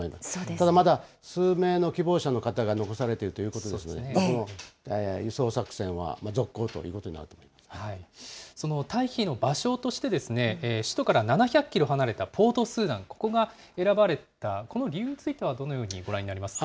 ただまだ数名の希望者の方が残されているということですので、輸送作戦は続行ということになるとその退避の場所として、首都から７００キロ離れたポートスーダン、ここが選ばれた、この理由についてはどのようにご覧になりますか。